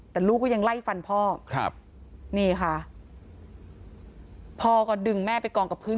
แต่ลูกก็ยังไล่ฟันพ่อครับนี่ค่ะพ่อก็ดึงแม่ไปกองกับพื้น